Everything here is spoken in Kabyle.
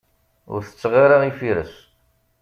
Ur tetteɣ ara ifires.